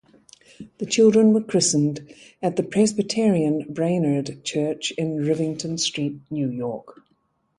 The children were christened at the Presbyterian Brainerd Church in Rivington Street, New York.